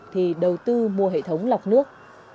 thì đầu tư mua hệ thống lọc nước